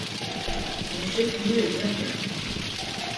Son chef-lieu est Berga.